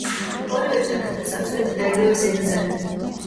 ორივე ჩანაწერს აქვს ერთი და იგივე სიგრძე.